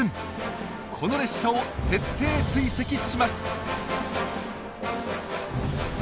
この列車を徹底追跡します。